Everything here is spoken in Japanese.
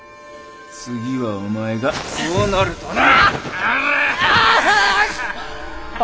次はお前がこうなるとな。